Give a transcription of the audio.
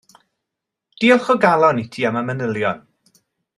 Diolch o galon i ti am y manylion.